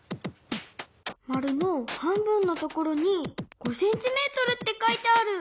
まるの半分のところに５ｃｍって書いてある。